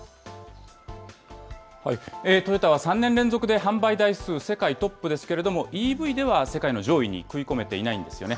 トヨタは３年連続で販売台数世界トップですけれども、ＥＶでは世界の上位に食い込めていないんですよね。